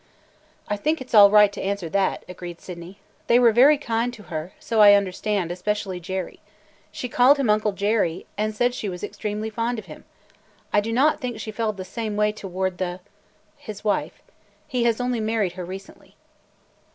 "I think it is all right to answer that," agreed Sydney. "They were very kind to her, so I understand, especially Jerry. She called him Uncle Jerry and said she was extremely fond of him. I do not think she felt the same toward the – his wife. He has only married her recently."